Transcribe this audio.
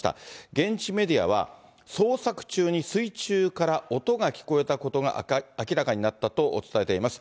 現地メディアは、捜索中に水中から音が聞こえたことが明らかになったと伝えています。